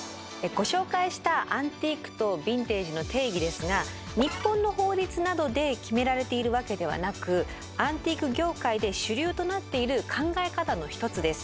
ご紹介した「アンティーク」と「ヴィンテージ」の定義ですが日本の法律などで決められているわけではなくアンティーク業界で主流となっている考え方の一つです。